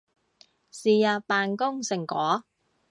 是日扮工成果